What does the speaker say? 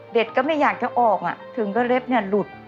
เด็ดก็ไม่อยากจะออกอะถึงก็เล็บเนี่ยหลุด